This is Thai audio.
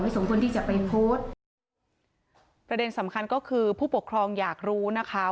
สมควรที่จะไปโพสต์ประเด็นสำคัญก็คือผู้ปกครองอยากรู้นะคะ